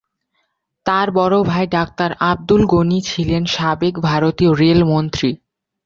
তাঁর বড় ভাই ডাক্তার আব্দুল গনি ছিলেন সাবেক ভারতীয় রেলমন্ত্রী।